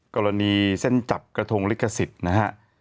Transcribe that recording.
กรณีเส้นจับกระทงฤกษสิตนะฮะ